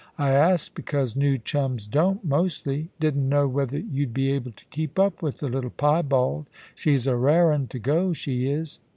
* I asked because new chums don't, mostly. Didn't know whether you'd be able to keep up with the little piebald. She's a rare un to go, she is.